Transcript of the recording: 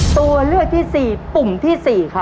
ตัวเลือกที่สี่ปุ่มที่สี่ค่ะ